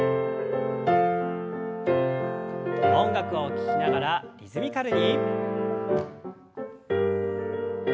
音楽を聞きながらリズミカルに。